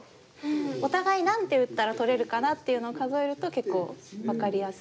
お互い何手打ったら取れるかなっていうのを数えると結構分かりやすい。